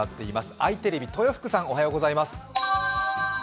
あいテレビ、豊福さん、おはようございます。